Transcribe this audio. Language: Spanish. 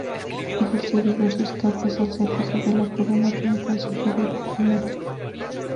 Ejerció diversos cargos al servicio de la Corona, como consejero y diplomático.